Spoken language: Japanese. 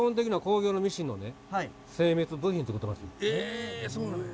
えっそうなんや。